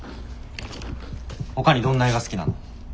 ほかにどんな映画好きなの？